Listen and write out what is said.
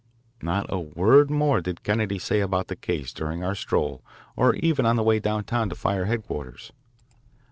Not a word more did Kennedy say about the case during our stroll or even on the way downtown to fire headquarters.